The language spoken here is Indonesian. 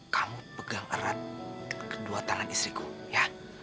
kamu pegang erat kedua tangan istriku ya